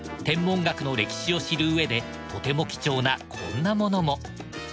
天文学の歴史を知るうえでとても貴重なこんなものも。